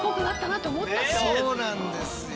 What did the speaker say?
何かそうなんですよ。